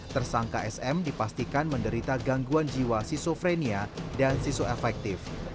tersangka sm dipastikan menderita gangguan jiwa siso frenia dan siso efektif